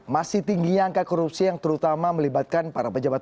masih tingginya angka korupsi yang terutama melibatkan para pejabat